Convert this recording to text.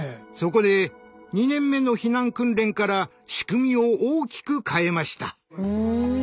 そこで２年目の避難訓練から仕組みを大きく変えました。